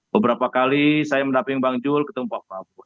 beberapa kali saya mendaping bang jul ketemu pak prabowo